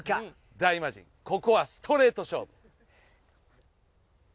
大魔神ここはストレート勝負。